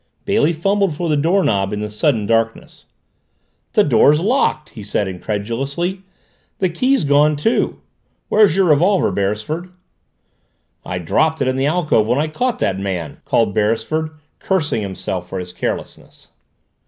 Bailey fumbled for the doorknob in the sudden darkness. "The door's locked!" he said incredulously. "The key's gone too. Where's your revolver, Beresford?" "I dropped it in the alcove when I caught that man," called Beresford, cursing himself for his carelessness.